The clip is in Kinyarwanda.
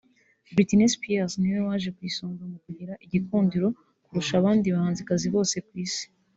Britney Spears niwe waje ku isonga mu kugira igikundiro kurusha abandi bahanzikazi bose ku isi